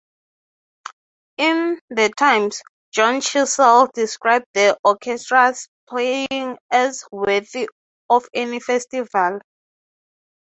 In "The Times", Joan Chissell described the orchestra's playing as "worthy of any festival".